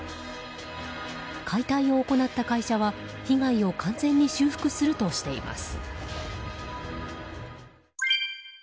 解体を行った会社は被害を完全に修復するとしています。